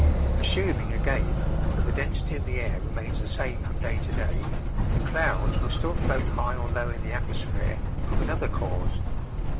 Assuming again that the density of the air remains the same from day to day, the clouds will still float high or low in the atmosphere from another cause.